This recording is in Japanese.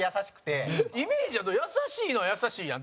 陣内：イメージやと優しいのは優しいやん。